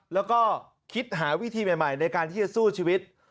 แล้วก็คิดหาวิธีใหม่ในการที่จะสู้ชีวิต